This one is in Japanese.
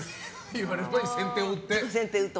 言われる前に先手を打って。